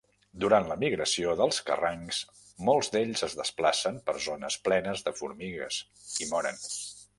Durant la migració dels carrancs, molts d'ells es desplacen per zones plenes de formigues i moren.